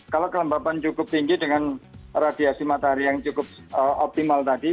kalau kelembapan cukup tinggi dengan radiasi matahari yang cukup optimal tadi